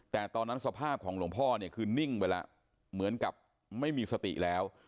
แต่ตอนนั้นสภาพของหลวงพ่อเนี่ยคือนิ่งไปแล้วเหมือนกับไม่มีสติแล้ว